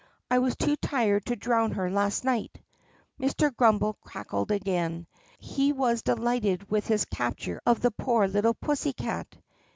I was too tired to drown her last night." Mr. Grummbel cackled again. He was delighted with his capture of the poor little pussycat.